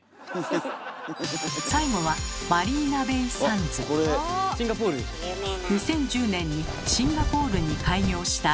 最後は２０１０年にシンガポールに開業したリゾート施設。